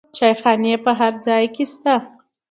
چایخانې په هر ځای کې شته.